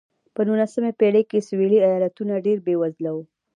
په نولسمې پېړۍ کې سوېلي ایالتونه ډېر بېوزله وو.